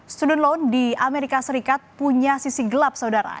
student loan di amerika serikat punya sisi gelap saudara